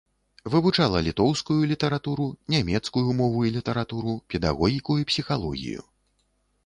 Вывучала літоўскую літаратуру, нямецкую мову і літаратуру, педагогіку і псіхалогію.